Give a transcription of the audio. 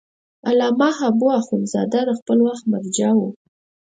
علامه حبو اخند زاده د خپل وخت مرجع و.